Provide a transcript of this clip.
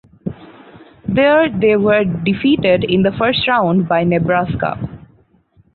There they were defeated in the first round by Nebraska.